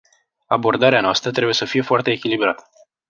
Abordarea noastră trebuie să fie foarte echilibrată.